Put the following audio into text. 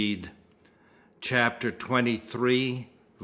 CHAPTER TWENTY THREE.